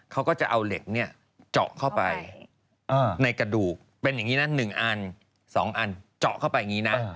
เขาก็จะเอาเหล็กเนี่ยเจาะเข้าไปในกระดูกเป็นอย่างนี้นะ๑อัน๒อันเจาะเข้าไปอย่างนี้นะ